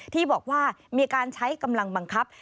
ที่บอกว่ามีการใช้กำลังบังคับ